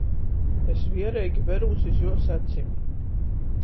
Es viereigi verūs iz juos acim.